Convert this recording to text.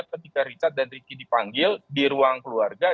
ketika richard dan ricky dipanggil di ruang keluarga